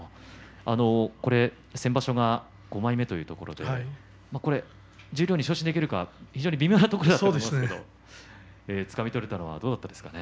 これは先場所が５枚目というところで十両に昇進できるか非常に微妙なところだったわけですがつかみ取れたのはどうだったんですか。